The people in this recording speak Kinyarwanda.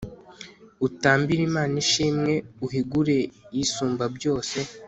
utambire imana ishimwe uhigure isumbabyose